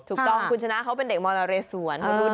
ถูกต้องคุณชนะเขาเป็นเด็กมนเรสวน